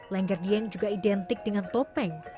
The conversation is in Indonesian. lengger dieng juga identik dengan topeng